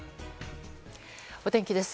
お天気です。